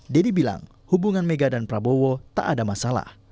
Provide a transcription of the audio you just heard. deddy bilang hubungan mega dan prabowo tak ada masalah